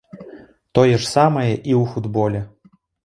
Тое ж самае і ў футболе.